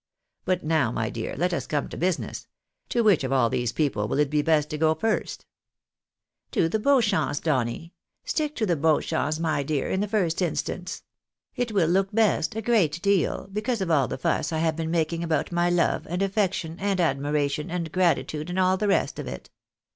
But now, my dear, let us come to business. To which of all these people will it be best to go to first ?"" To the Beauchamps, Donny. Stick to the Beauchamps, my dear, in the first instance. It will look best, a great deal, because of all the fuss I have been making about my love, and affection, and admiration, and gratitude, and all the rest of it.